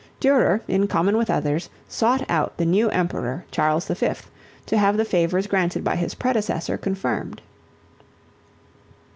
Durer in common with others sought out the new Emperor, Charles V., to have the favors granted by his predecessor confirmed.